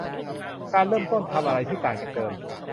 การเริ่มต้นทำอะไรที่ต่างจากเดิม